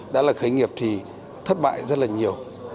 đã là khởi nghiệp thì thất bại rất là nhiều